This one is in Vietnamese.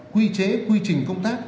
quy chế quy trình công tác